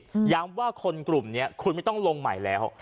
ย้ำว่าคนกลุ่มเนี้ยคุณไม่ต้องลงใหม่แล้ว